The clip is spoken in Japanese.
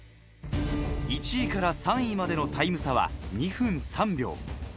１位から３位までのタイム差は２分３秒。